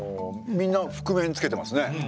みんな覆面つけてますね。